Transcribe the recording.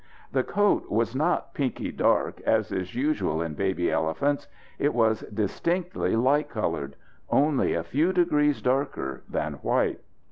The coat was not pinky dark, as is usual in baby elephants. It was distinctly light coloured only a few degrees darker than white.